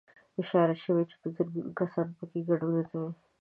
اشاره شوې چې په زرګونه کسان پکې ګډون کوي